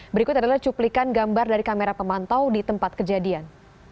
berikut adalah cuplikan gambar dari kamera pemantau di tempat kejadian